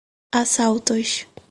Assaltos